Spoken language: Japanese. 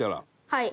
はい。